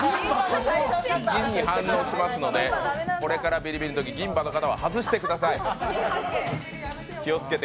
銀に反応しますのでこれからビリビリのとき、銀歯の方は外してください。